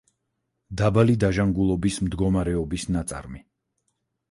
დაბალი დაჟანგულობის მდგომარეობის ნაწარმები.